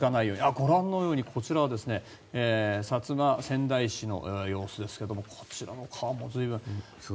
ご覧のように、こちらは薩摩川内市の様子ですけどこちらの川も随分。